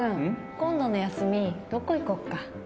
今度の休みどこ行こっか。